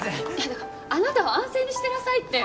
だからあなたは安静にしてなさいって。